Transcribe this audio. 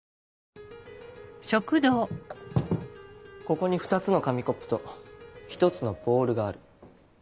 ここに２つの紙コップと１つのボールがある。